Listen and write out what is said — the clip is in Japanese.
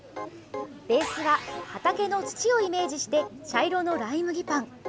ベースは畑の土をイメージして茶色のライ麦パン。